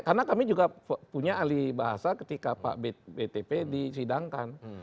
karena kami juga punya ahli bahasa ketika pak btp disidangkan